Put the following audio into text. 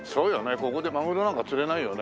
ここでマグロなんか釣れないよね。